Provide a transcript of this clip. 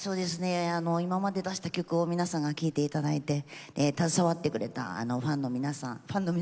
今まで出した曲を皆さんが聴いていただいて携わってくれたファンの皆さん